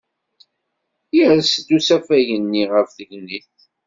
Yers-d usafag-nni ɣef tegnit.